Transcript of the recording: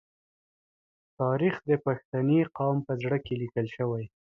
تاریخ د پښتني قام په زړه کې لیکل شوی.